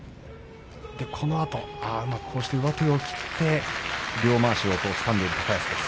このあとうまく上手を切って両まわしをつかんでいる高安です。